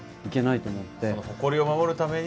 その誇りを守るために。